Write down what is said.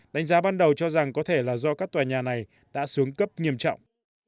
đánh giá ban đầu cho rằng có thể là do các tòa nhà này đã xuống cấp nghiêm trọng